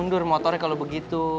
mundur motornya kalo begitu